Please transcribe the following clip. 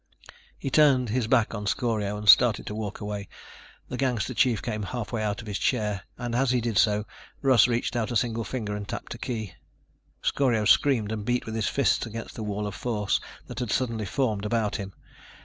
He turned his back on Scorio and started to walk away. The gangster chief came half way out of his chair, and as he did so, Russ reached out a single finger and tapped a key. Scorio screamed and beat with his fists against the wall of force that had suddenly formed about him.